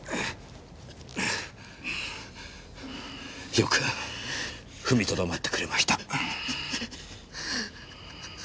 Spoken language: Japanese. よく踏みとどまってくれました。